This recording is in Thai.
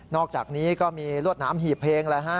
อกจากนี้ก็มีรวดน้ำหีบเพลงแล้วฮะ